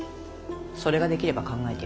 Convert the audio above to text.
それができれば考えてやる。